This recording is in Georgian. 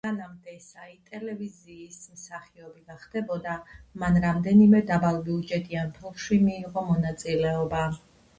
სანამ დესაი ტელევიზიის მსახიობი გახდებოდა, მან რამდენიმე დაბალბიუჯეტიან ფილმში მიიღო მონაწილეობა.